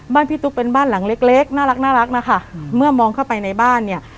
พี่ตุ๊กเป็นบ้านหลังเล็กเล็กน่ารักนะคะเมื่อมองเข้าไปในบ้านเนี่ย